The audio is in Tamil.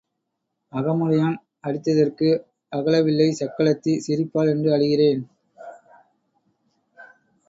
அகமுடையான் அடித்ததற்கு அழவில்லை சக்களத்தி சிரிப்பாள் என்று அழுகிறேன்.